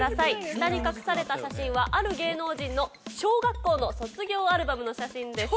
下に隠された写真はある芸能人の小学校の卒業アルバムの写真です。